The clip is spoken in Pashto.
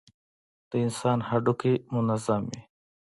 د انسان هډوکى منظم وي.